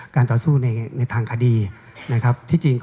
ต่อสู้ในทางคดีนะครับ